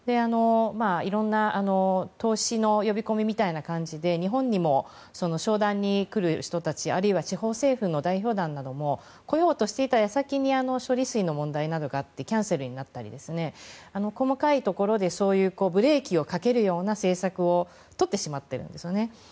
いろんな投資の呼び込みみたいな感じで日本にも商談に来る人たちあるいは地方政府の代表団なども来ようとしていた矢先に処理水の問題などがあってキャンセルになったり細かいところでそういうブレーキをかけるような政策をとってしまっているんですよね。